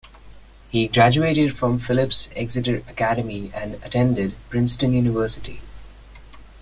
He graduated from Phillips Exeter Academy and attended Princeton University.